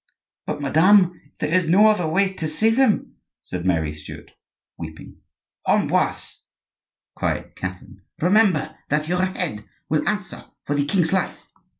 "But, madame, if there is no other way to save him?" said Mary Stuart, weeping. "Ambroise," cried Catherine; "remember that your head will answer for the king's life."